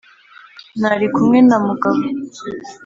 nari kumwe na mugabo.